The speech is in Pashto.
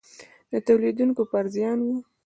د تولیدوونکو پر زیان و.